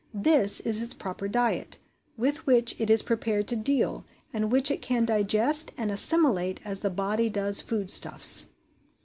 This is its proper diet, with which it is prepared to deal, and which it can digest and assimilate as the body does foodstuffs.